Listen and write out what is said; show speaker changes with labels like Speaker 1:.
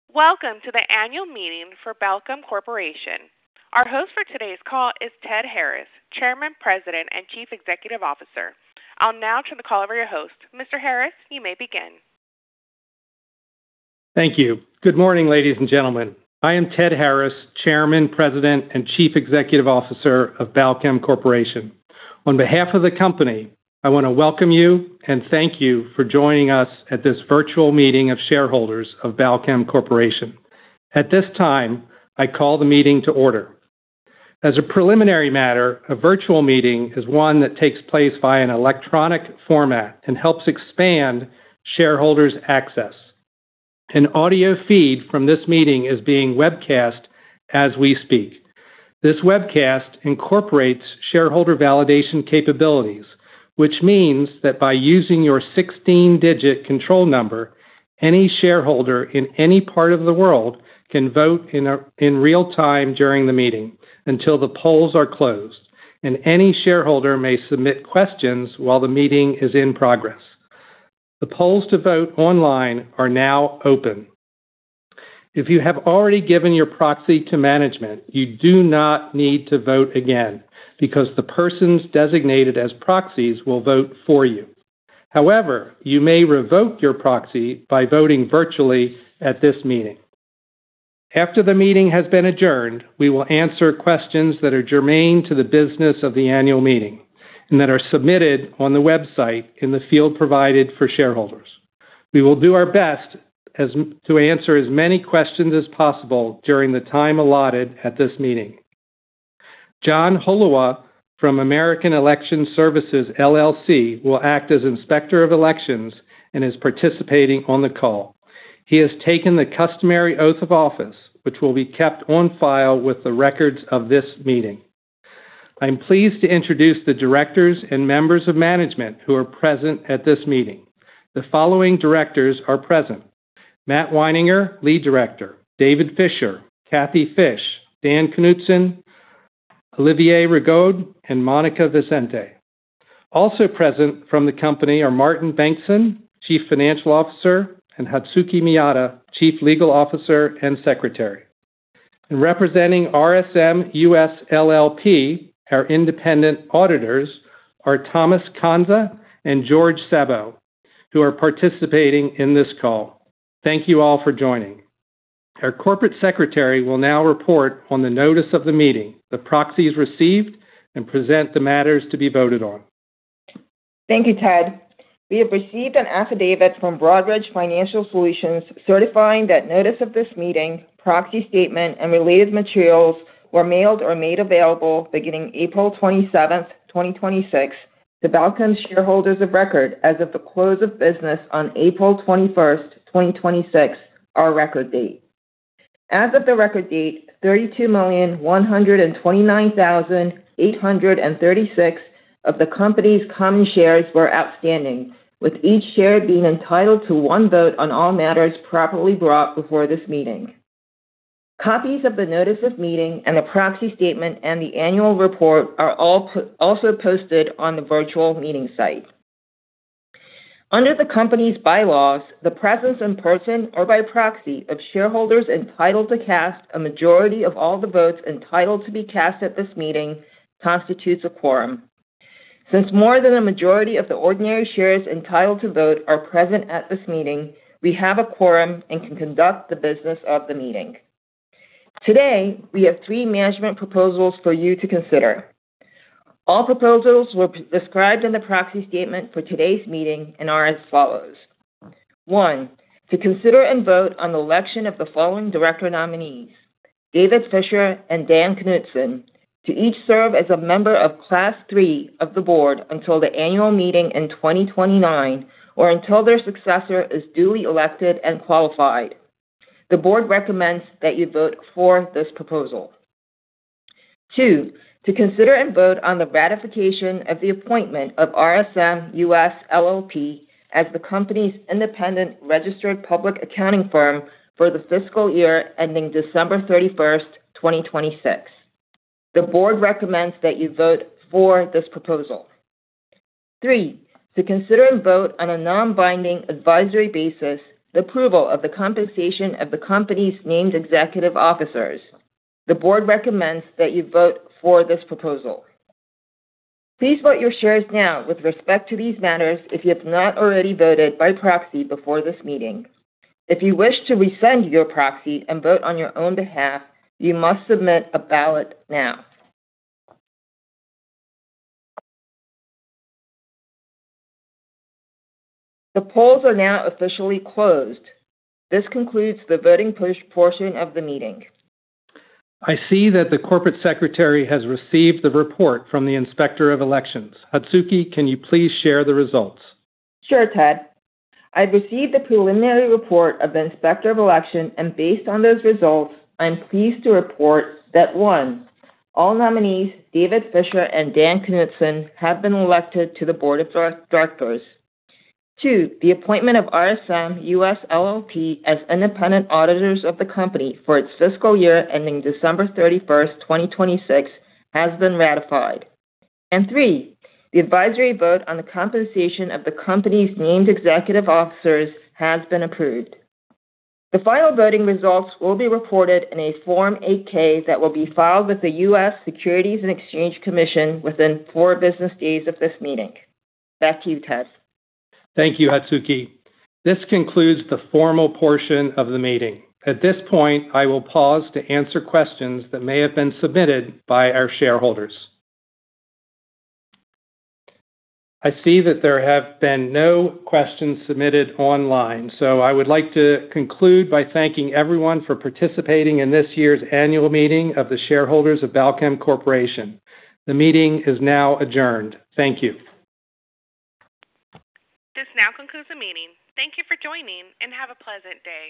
Speaker 1: Welcome to the annual meeting for Balchem Corporation. Our host for today's call is Ted Harris, Chairman, President, and Chief Executive Officer. I'll now turn the call over to your host. Mr. Harris, you may begin.
Speaker 2: Thank you. Good morning, ladies and gentlemen. I am Ted Harris, Chairman, President, and Chief Executive Officer of Balchem Corporation. On behalf of the company, I want to welcome you and thank you for joining us at this virtual meeting of shareholders of Balchem Corporation. At this time, I call the meeting to order. As a preliminary matter, a virtual meeting is one that takes place via an electronic format and helps expand shareholders' access. An audio feed from this meeting is being webcast as we speak. This webcast incorporates shareholder validation capabilities, which means that by using your 16-digit control number, any shareholder in any part of the world can vote in real time during the meeting until the polls are closed, and any shareholder may submit questions while the meeting is in progress. The polls to vote online are now open. If you have already given your proxy to management, you do not need to vote again because the persons designated as proxies will vote for you. However, you may revoke your proxy by voting virtually at this meeting. After the meeting has been adjourned, we will answer questions that are germane to the business of the annual meeting and that are submitted on the website in the field provided for shareholders. We will do our best to answer as many questions as possible during the time allotted at this meeting. John Holuwah from American Election Services, LLC will act as Inspector of Elections and is participating on the call. He has taken the customary oath of office, which will be kept on file with the records of this meeting. I'm pleased to introduce the directors and members of management who are present at this meeting. The following directors are present: Matt Wineinger, Lead Director, David Fischer, Kathy Fish, Dan Knutson, Olivier Rigaud, and Monica Vicente. Also present from the company are Martin Bengtsson, Chief Financial Officer, and Hatsuki Miyata, Chief Legal Officer and Secretary. Representing RSM US LLP, our independent auditors, are Thomas Kanza and George Sabo, who are participating in this call. Thank you all for joining. Our corporate secretary will now report on the notice of the meeting, the proxies received, and present the matters to be voted on.
Speaker 3: Thank you, Ted. We have received an affidavit from Broadridge Financial Solutions certifying that notice of this meeting, proxy statement, and related materials were mailed or made available beginning April 27th, 2026, to Balchem's shareholders of record as of the close of business on April 21st, 2026, our record date. As of the record date, 32,129,836 of the company's common shares were outstanding, with each share being entitled to one vote on all matters properly brought before this meeting. Copies of the notice of meeting and the proxy statement and the annual report are also posted on the virtual meeting site. Under the company's bylaws, the presence in person or by proxy of shareholders entitled to cast a majority of all the votes entitled to be cast at this meeting constitutes a quorum. Since more than a majority of the ordinary shares entitled to vote are present at this meeting, we have a quorum and can conduct the business of the meeting. Today, we have three management proposals for you to consider. All proposals were described in the proxy statement for today's meeting and are as follows. One, to consider and vote on the election of the following director nominees, David Fischer and Dan Knutson, to each serve as a member of Class III of the board until the annual meeting in 2029 or until their successor is duly elected and qualified. The board recommends that you vote for this proposal. Two, to consider and vote on the ratification of the appointment of RSM US LLP as the company's independent registered public accounting firm for the fiscal year ending December 31st, 2026. The board recommends that you vote for this proposal. Three, to consider and vote on a non-binding advisory basis the approval of the compensation of the company's named executive officers. The board recommends that you vote for this proposal. Please vote your shares now with respect to these matters if you have not already voted by proxy before this meeting. If you wish to rescind your proxy and vote on your own behalf, you must submit a ballot now. The polls are now officially closed. This concludes the voting portion of the meeting.
Speaker 2: I see that the corporate secretary has received the report from the Inspector of Elections. Hatsuki, can you please share the results?
Speaker 3: Sure, Ted. I've received the preliminary report of the Inspector of Election, and based on those results, I'm pleased to report that, one, all nominees, David Fischer and Dan Knutson, have been elected to the board of directors. Two, the appointment of RSM US LLP as independent auditors of the company for its fiscal year ending December 31st, 2026, has been ratified. Three, the advisory vote on the compensation of the company's named executive officers has been approved. The final voting results will be reported in a Form 8-K that will be filed with the U.S. Securities and Exchange Commission within four business days of this meeting. Back to you, Ted.
Speaker 2: Thank you, Hatsuki. This concludes the formal portion of the meeting. At this point, I will pause to answer questions that may have been submitted by our shareholders. I see that there have been no questions submitted online, so I would like to conclude by thanking everyone for participating in this year's annual meeting of the shareholders of Balchem Corporation. The meeting is now adjourned. Thank you.
Speaker 1: This now concludes the meeting. Thank you for joining, and have a pleasant day.